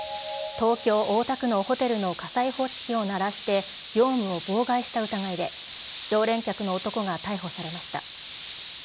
東京・大田区のホテルの火災報知器を鳴らして業務を妨害した疑いで常連客の男が逮捕されました。